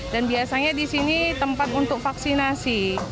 dan biasanya di sini tempat untuk vaksinasi